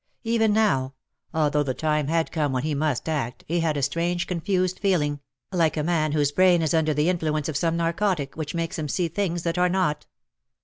Even now, although the time had come when he must act, he had a strange confused feeling, like a man whose brain is under the influence of some narcotic, which makes him see things that are not.